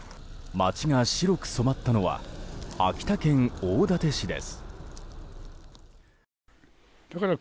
街が白く染まったのは秋田県大館市です。